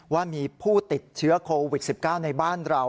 ว่ามีผู้ติดเชื้อโควิด๑๙ในบ้านเรา